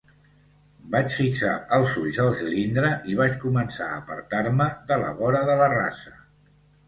Vaig fixar els ulls al cilindre i vaig començar a apartar-me de la vora de la rasa.